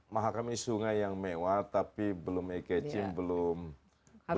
mahakam ini sungai yang mewah tapi belum ekecim belum mahal